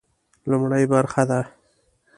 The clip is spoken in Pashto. لومړۍ برخه ده.